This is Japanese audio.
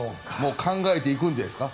考えていくんじゃないですか。